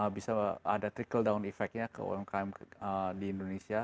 bisa ada effectnya ke umkm di indonesia